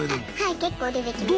結構出てきます。